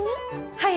はい。